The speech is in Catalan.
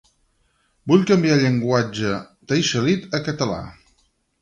Vull canviar llenguatge taixelhit a català.